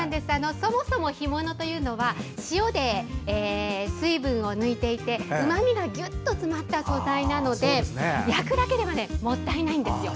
そもそも干物というのは塩で水分を抜いていてうまみがぎゅっと詰まった状態なので焼くだけではもったいないんですよ。